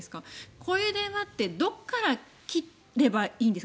こういう電話ってどこから切ればいいんですか？